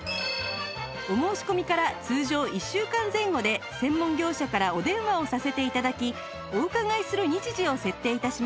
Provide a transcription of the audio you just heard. お申し込みから通常１週間前後で専門業者からお電話をさせて頂きお伺いする日時を設定致します